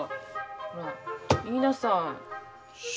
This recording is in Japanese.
ほら言いなさい。